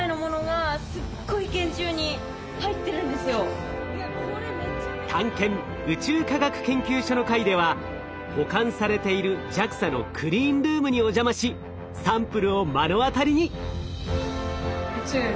ほんとにこう「探検宇宙科学研究所」の回では保管されているＪＡＸＡのクリーンルームにお邪魔しサンプルを目の当たりに。